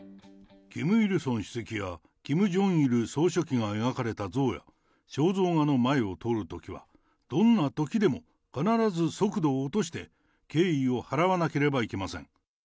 キム・イルソン主席や、キム・ジョンイル総書記が描かれた像や肖像画の前を通るときは、どんなときでも、必ず速度を落として、敬意を払わなければいけません。